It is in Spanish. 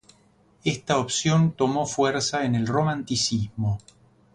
Esta opción tomo fuerza en el Romanticismo.